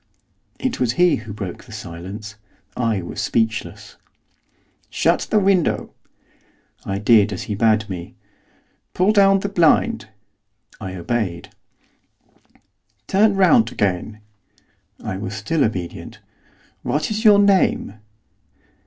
It was he who broke the silence. I was speechless. 'Shut the window.' I did as he bade me. 'Pull down the blind.' I obeyed. 'Turn round again.' I was still obedient. 'What is your name?